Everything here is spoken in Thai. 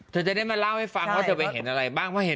เธอจะได้มาเล่าให้ฟังเวียรสิ